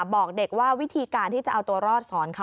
บอกเด็กว่าวิธีการที่จะเอาตัวรอดสอนเขา